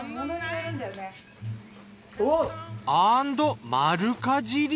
アンド丸かじり。